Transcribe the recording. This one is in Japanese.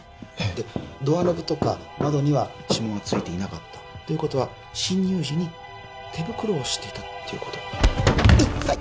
でドアノブとか窓には指紋はついていなかったということは侵入時に手袋をしていたってこと痛い！